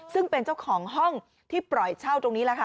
ซึ่งเป็นเจ้าของห้องที่ปล่อยเช่าตรงนี้แหละค่ะ